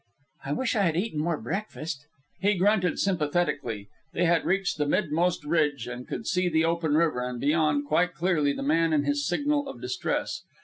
"I wish I had eaten more breakfast." He grunted sympathetically. They had reached the midmost ridge and could see the open river, and beyond, quite clearly, the man and his signal of distress.